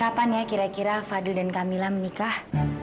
kapan ya kira kira fadil dan camilla menikah